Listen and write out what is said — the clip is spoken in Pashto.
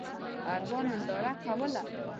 ارواح ننداره کوله.